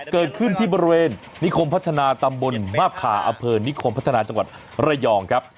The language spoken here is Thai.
เกิดขึ้นที่บริเวณนิคมพัฒนาตำบลมาบขาอำเภอนิคมพัฒนาจังหวัดระยองครับ